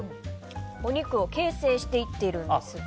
お肉を形成しているんですが。